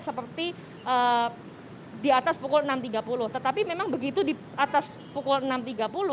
seperti di atas pukul enam tiga puluh